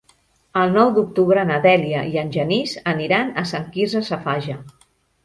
El nou d'octubre na Dèlia i en Genís aniran a Sant Quirze Safaja.